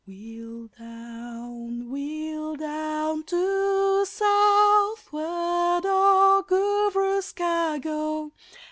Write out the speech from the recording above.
Wheel down, wheel down to southward; oh, Gooverooska, go!